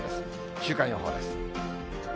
週間予報です。